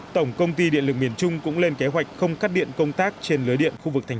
tổng công ty điện lực miền trung cũng lên kế hoạch không cắt điện công tác trên lưới điện khu vực thành